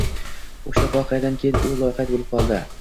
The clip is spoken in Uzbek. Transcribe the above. Oʻsha voqeadan keyin u loqayd boʻlib qoldi